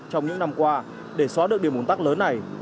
trong những năm qua để xóa được điểm ủn tắc lớn này